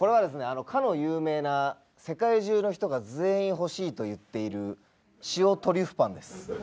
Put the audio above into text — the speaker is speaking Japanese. あのかの有名な世界中の人が全員欲しいと言っている白トリュフパンです。